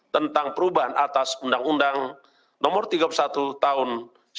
tentang perubahan atas undang undang no tiga puluh satu tahun seribu sembilan ratus sembilan puluh sembilan